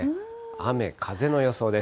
雨、風の予想です。